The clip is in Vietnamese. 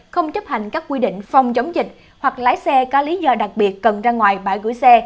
không chấp hành các quy định phòng chống dịch hoặc lái xe có lý do đặc biệt cần ra ngoài bãi gửi xe